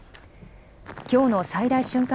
きょうの最大瞬間